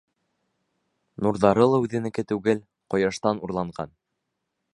Нурҙары ла үҙенеке түгел, ҡояштан урланған.